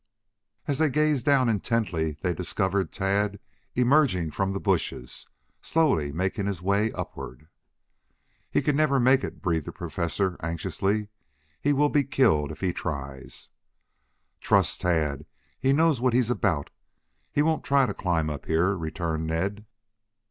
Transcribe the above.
As they gazed down intently they discovered Tad emerging from the bushes, slowly making his way upward. "He never can make it," breathed the Professor, anxiously. "He will be killed if he tries it." "Trust Tad. He knows what he is about. He won't try to climb up here," returned Ned.